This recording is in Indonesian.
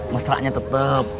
mesra nya tetep